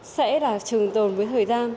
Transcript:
hãy là trừng tồn với thời gian